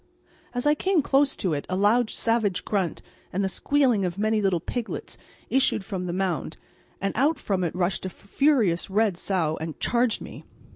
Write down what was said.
As I came close to it a loud savage grunt and the squealing of many little piglets issued from the mound, and out from it rushed a furious red sow and charged me.